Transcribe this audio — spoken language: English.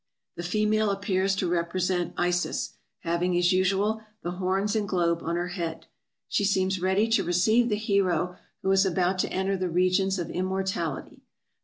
The female appears to represent Isis, having, as usual, the horns and globe on her head. She seems ready to receive the hero, who is about to enter the regions of immortality.